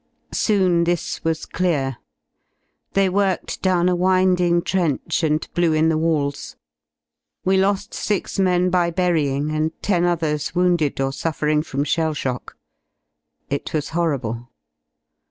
Soon this was clear. They worked down a winding trench, and blew in the walls; we lo^ six men by burying and ten others wounded or suffering from shell shock. It was horrible.